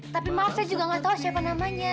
tapi maaf saya juga gak tau siapa namanya